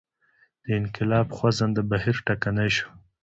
د انقلاب خوځنده بهیر ټکنی شو.